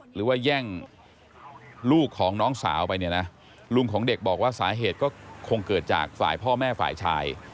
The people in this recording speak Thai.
หรือว่าแย่งลูกของน้องสาวไปเนี่ยนะลุงของเด็กบอกว่าสาเหตุก็คงเกิดจากฝ่ายพ่อแม่ฝ่ายชาย